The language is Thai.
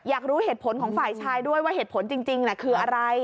อยากรู้เหตุผลของฝ่ายชายด้วยว่าเหตุผลจริงคืออะไร